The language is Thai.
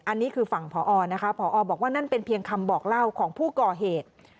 อันนี้คือฝั่งพอนะคะพอบอกว่านั่นเป็นเพียงคำบอกเล่าของผู้ก่อเหตุ